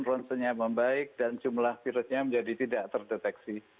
ronsennya membaik dan jumlah virusnya menjadi tidak terdeteksi